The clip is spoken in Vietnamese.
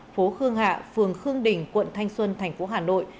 phố khương hạ phường khương đình quận thanh xuân thành phố hà nội